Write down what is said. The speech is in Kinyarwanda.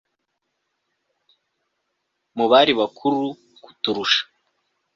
Mu bari bakuru kuturusha